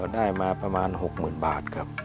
ได้มาประมาณ๖๐๐๐บาทครับ